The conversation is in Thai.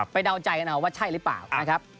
ไปเดาใจกันนะว่าใช่หรือเปล่า